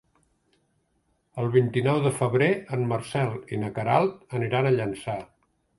El vint-i-nou de febrer en Marcel i na Queralt aniran a Llançà.